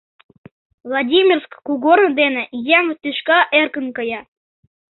Владимирск кугорно дене еҥ тӱшка эркын кая.